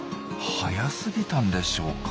早すぎたんでしょうか。